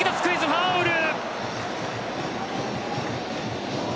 ファウル。